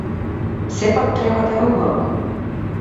Сепак треба да е убава.